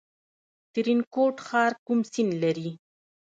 ترینکوټ ښار کوم سیند لري؟